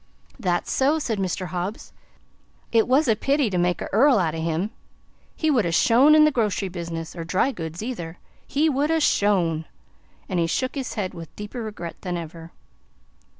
"That's so," said Mr. Hobbs. "It was a pity to make a earl out of HIM. He would have SHONE in the grocery business or dry goods either; he would have SHONE!" And he shook his head with deeper regret than ever.